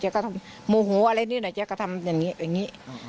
เจ๊ก็โมโหอะไรนี่หน่อยเจ๊ก็ทำอย่างนี้